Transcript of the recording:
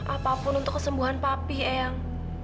apapun untuk kesembuhan papi eyang